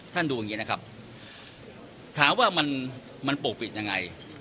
ดูอย่างนี้นะครับถามว่ามันปกปิดยังไง